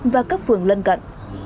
và các phường lân cận